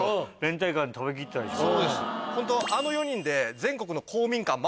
ホントあの４人で。